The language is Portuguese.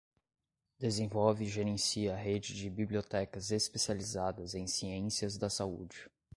Desenvolve e gerencia a Rede de Bibliotecas Especializadas em Ciências da Saúde.